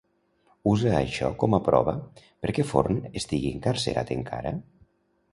Usa això com a prova perquè Forn estigui encarcerat encara?